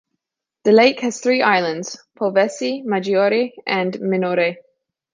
The lake has three islands - Polvese, Maggiore and Minore.